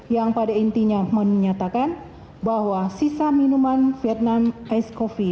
yang pada intinya menyatakan bahwa sisa minuman vietnam ice coffee